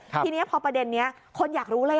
ทีนี้พอประเด็นนี้คนอยากรู้เลย